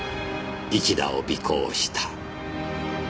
市田を尾行した。